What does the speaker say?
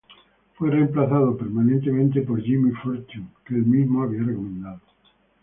Fue remplazado permanentemente por Jimmy Fortune, que el mismo había recomendado.